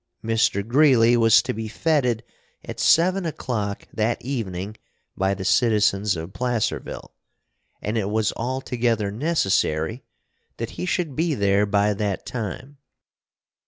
Mr. Greeley was to be fêted at seven o'clock that evening by the citizens of Placerville, and it was altogether necessary that he should be there by that time.